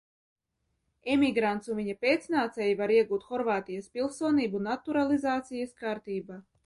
Emigrants un viņa pēcnācēji var iegūt Horvātijas pilsonību naturalizācijas kārtībā.